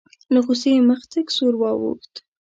له غوسې یې مخ تک سور واوښت.